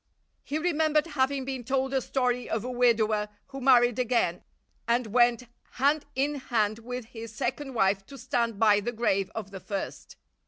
He remembered having been told a story of a widower who married again and went hand in hand with his second wife to stand by the grave of the first.